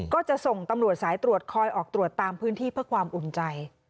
ก็จะส่งตำรวจสายตรวจคอยออกตรวจตามพื้นที่เพื่อความอุ่นใจ